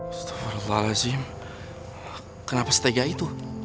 astaghfirullahalazim kenapa setegah itu